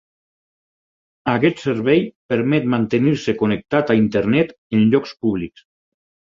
Aquest servei permet mantenir-se connectat a Internet en llocs públics.